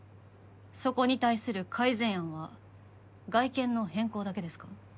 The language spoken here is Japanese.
そこに対する改善案は外見の変更だけですか？